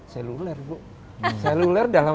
seluler bu seluler dalam